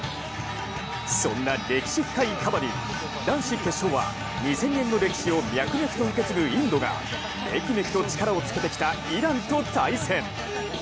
そんな歴史深いカバディ男子決勝は２０００年の歴史を脈々と受け継ぐインドがめきめきと力をつけてきたイランと対戦。